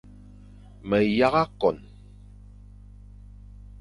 Me yagha kon,